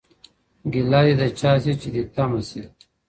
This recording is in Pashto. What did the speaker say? ¬ گيله دي د چا سي، چي دي تما سي.